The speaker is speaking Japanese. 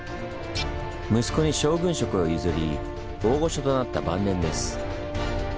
息子に将軍職を譲り大御所となった晩年です。